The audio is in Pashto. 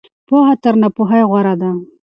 پوهه تر ناپوهۍ غوره ده.